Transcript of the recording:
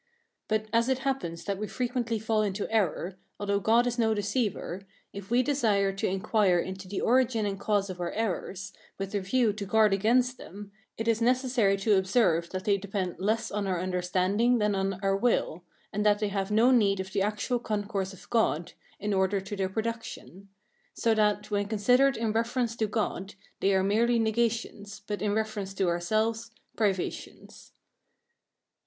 But as it happens that we frequently fall into error, although God is no deceiver, if we desire to inquire into the origin and cause of our errors, with a view to guard against them, it is necessary to observe that they depend less on our understanding than on our will, and that they have no need of the actual concourse of God, in order to their production; so that, when considered in reference to God, they are merely negations, but in reference to ourselves, privations.